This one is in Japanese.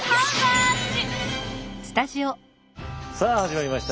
さあ始まりました。